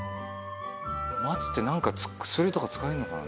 松ってなんか薬とか使えるのかな？